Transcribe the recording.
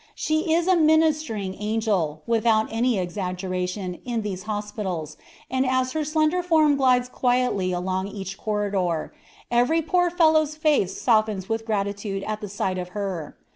She is a 'ministering angel,' without any exaggeration, in these hospitals, and as her slender form glides quietly along each corridor, every poor fellow's face softens with gratitude at the sight of her.